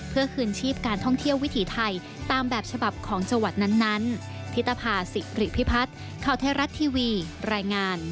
เพื่อคืนชีพการท่องเที่ยววิถีไทย